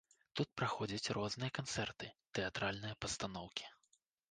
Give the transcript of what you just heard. Тут праходзяць розныя канцэрты, тэатральныя пастаноўкі.